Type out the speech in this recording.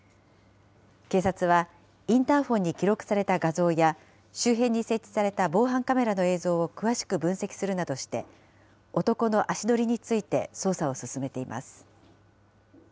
警察はインターフォンに記録された画像や、周辺に設置された防犯カメラの映像を詳しく分析するなどして、男の足取りについて捜査を進めています。